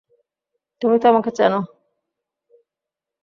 তুমি তো আমাকে চেনো।